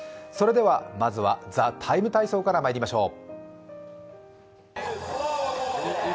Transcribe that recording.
まずは「ＴＨＥＴＩＭＥ，体操」からまいりましょう。